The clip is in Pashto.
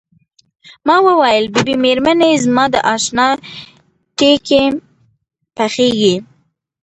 ما وویل بي بي مېرمنې زما د اشنا تیکې پخیږي.